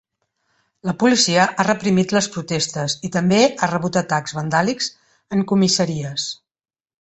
La policia ha reprimit les protestes i també ha rebut atacs vandàlics en comissaries.